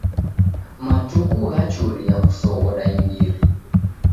Matuku ghachuria kusoghoda imbiri.